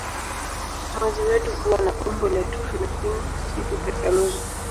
Mwezi wetu huwa na umbo la tufe lakini si tufe kamili.